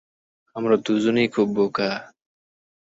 আমরা দুজনেই খুব বোকা।